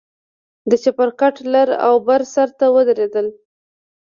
د چپرکټ لر او بر سر ته ودرېدل.